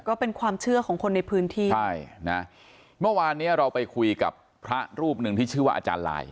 ก็เป็นความเชื่อของคนในพื้นที่ใช่นะเมื่อวานเนี้ยเราไปคุยกับพระรูปหนึ่งที่ชื่อว่าอาจารย์ลาย